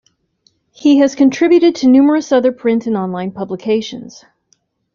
He has contributed to numerous other print and online publications.